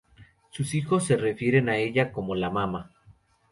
Sus hijos se refieren a ella como ""la mama"".